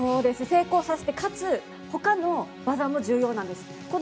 成功させて、かつ他の技も重要なんです。